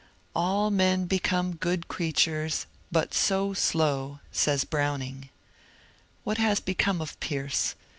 ^^ All men become good creatures, but so slow I " says Browning. What has become of Pierce